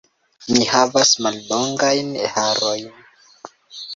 Mi havas mallongajn harojn.